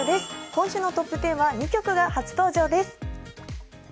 今週のトップ１０は２曲が初登場です